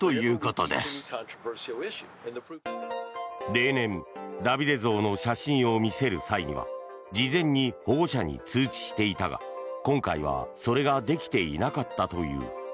例年ダビデ像の写真を見せる際には事前に保護者に通知していたが今回はそれができていなかったという。